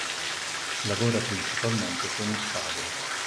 Lavora principalmente con il padre.